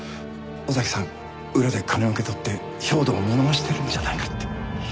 尾崎さん裏で金を受け取って兵頭を見逃してるんじゃないかって。